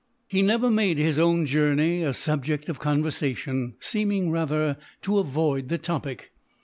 He never made his own journey a subject of conversation; seeming, rather, to avoid the topic.